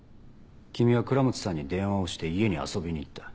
君は倉持さんに電話をして家に遊びに行った。